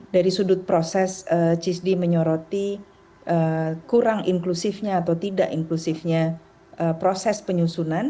dari sudut proses cisdi menyoroti kurang inklusifnya atau tidak inklusifnya proses penyusunan